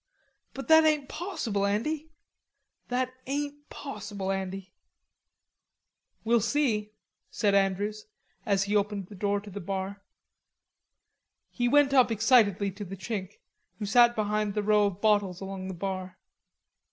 But that ain't possible, Andy; that ain't possible, Andy." "We'll see," said Andrews, as, he opened the door to the bar. He went up excitedly to the Chink, who sat behind the row of bottles along the bar.